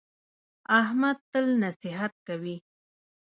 احمد تل نصیحت کوي.